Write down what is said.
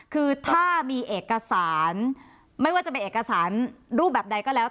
คือถ้ามีเอกสารไม่ว่าจะเป็นเอกสารรูปแบบใดก็แล้ว